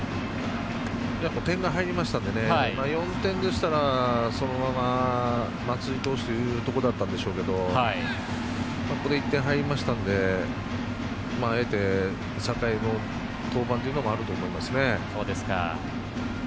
点が入りましたので４点でしたらそのまま松井投手というところだったんでしょうけどここで１点、入りましたのであえて酒居の登板と言うのもあるでしょうね。